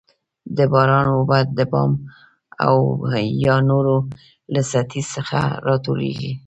د باران اوبه د بام او یا نورو له سطحې څخه راټولیږي.